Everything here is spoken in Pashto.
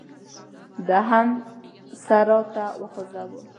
ده هم سر راته وخوځاوه.